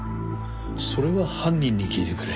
それは犯人に聞いてくれ。